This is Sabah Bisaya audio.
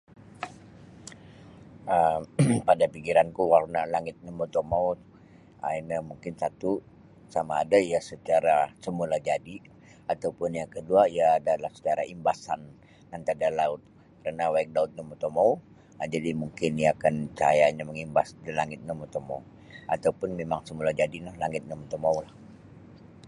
um Pada pikiranku warna langit no motomou um ino mungkin satu sama ada iyo secara semulajadi atau pun yang kedua adalah iyo adalah secara imbasan antad da laut kerana waig laut no motomou jadi iyo mungkin cahayanyo mangimbas da langit no motomou atau pun semualajadi no langit no motomou.